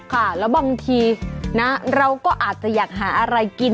ค่ะแล้วบางทีนะเราก็อาจจะอยากหาอะไรกิน